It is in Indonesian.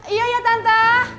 iya ya tante